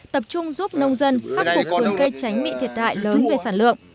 tập trung giúp nông dân khắc phục vườn cây tránh bị thiệt hại lớn về sản lượng